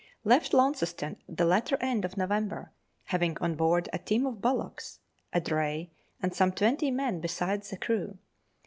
Left Launceston the latter end of November, having on board a team of bullocks, a dray, and some twenty men besides the crew.